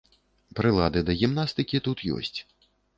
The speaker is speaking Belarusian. Прылады да гімнастыкі тут ёсць.